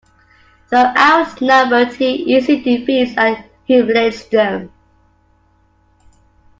Though outnumbered, he easily defeats and humiliates them.